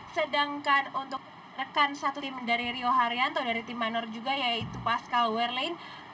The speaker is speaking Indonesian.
sedangkan untuk rekan satu tim dari rio haryanto dari tim minor juga yaitu pascal werlein